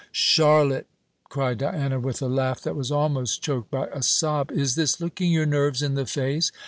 "Charlotte!" cried Diana, with a laugh that was almost choked by a sob, "is this looking your nerves in the face?